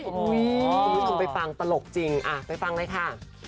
คุณผู้ชมไปฟังตลกจริงไปฟังเลยค่ะ